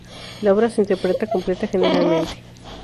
La obra se interpreta completa generalmente.